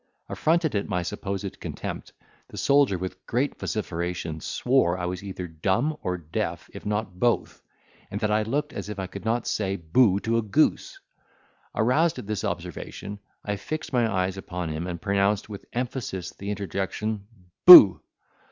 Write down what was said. Affronted at my supposed contempt, the soldier with great vociferation swore I was either dumb or deaf if not both, and that I looked as if I could not say Bo to a goose. Aroused at this observation, I fixed my eyes upon him, and pronounced with emphasis the interjection Bo!